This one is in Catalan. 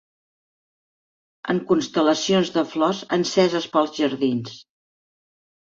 ...en constel·lacions de flors enceses pels jardins